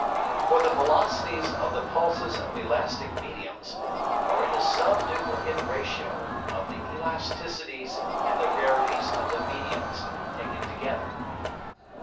For the Velocities of the Pulses of elastick Mediums are in a subduplicate Ratio of the Elasticities and the Rarities of the Mediums taken together.